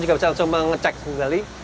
juga bisa langsung mengecek sekali